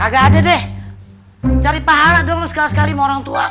gak ada deh cari pahala dong lu sekali sekali sama orang tua